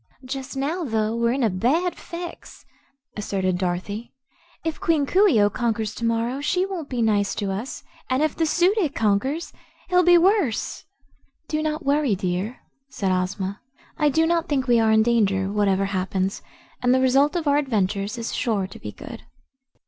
"Just now, though, we're in a bad fix," asserted Dorothy. "If Queen Coo ee oh conquers to morrow, she won't be nice to us, and if the Su dic conquers, he'll be worse." "Do not worry, dear," said Ozma, "I do not think we are in danger, whatever happens, and the result of our adventure is sure to be good."